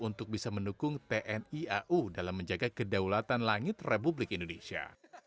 untuk bisa mendukung tni au dalam menjaga kedaulatan langit republik indonesia